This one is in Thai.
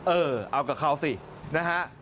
เออเอากับเขาสินะฮะ